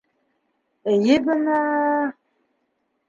Эйе бына...